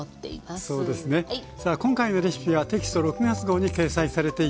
今回のレシピはテキスト６月号に掲載されています。